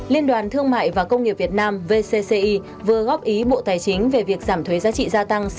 liên đoàn thương mại và công nghiệp việt nam vcci vừa góp ý bộ tài chính về việc giảm thuế giá trị gia tăng